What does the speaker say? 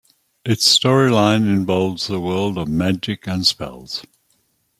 Its storyline involves the world of magic and spells.